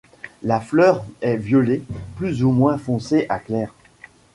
La fleur est violet plus ou moins foncé à clair.